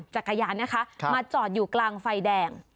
จักรยานนะคะมาจอดอยู่กลางไฟแดง